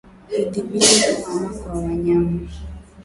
Kudhibiti kuhama kwa wanyama